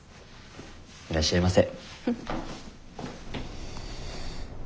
いらっしゃいませ。